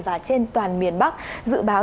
và trên toàn miền bắc dự báo